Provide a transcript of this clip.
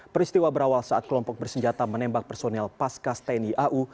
peristiwa berawal saat kelompok bersenjata menembak personil paskas tni au